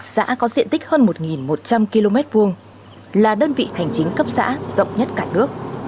xã có diện tích hơn một một trăm linh km hai là đơn vị hành chính cấp xã rộng nhất cả nước